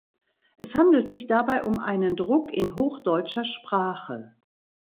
Es handelt sich dabei um einen Druck in hochdeutscher Sprache.